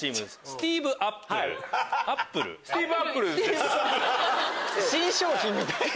スティーブ・アップルです。